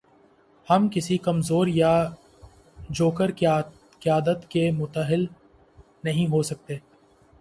ہم کسی کمزور یا جوکر قیادت کے متحمل نہیں ہو سکتے۔